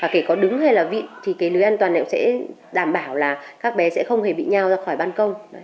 kể có đứng hay là vị thì cái lưới an toàn cũng sẽ đảm bảo là các bé sẽ không hề bị nhau ra khỏi ban công